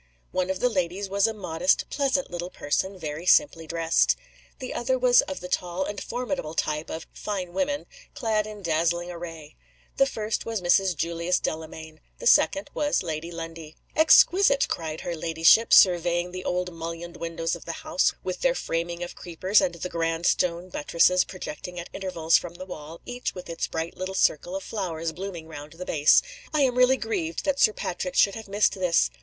One of the ladies was a modest, pleasant little person, very simply dressed. The other was of the tall and formidable type of "fine women," clad in dazzling array. The first was Mrs. Julius Delamayn. The second was Lady Lundie. "Exquisite!" cried her ladyship, surveying the old mullioned windows of the house, with their framing of creepers, and the grand stone buttresses projecting at intervals from the wall, each with its bright little circle of flowers blooming round the base. "I am really grieved that Sir Patrick should have missed this."